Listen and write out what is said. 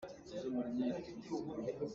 Hi ihphah cu a neem.